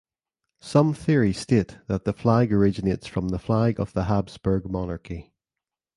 Some theories state that the flag originates from the flag of the Habsburg Monarchy.